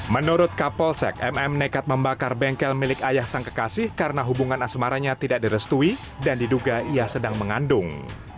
menurut kapolsek mm nekat membakar bengkel milik ayah sang kekasih karena hubungan asmaranya tidak direstui dan diduga ia sedang mengandung